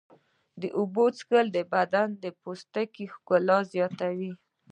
د اوبو څښل د بدن د پوستکي ښکلا زیاتوي.